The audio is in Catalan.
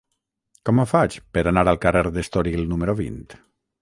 Com ho faig per anar al carrer d'Estoril número vint?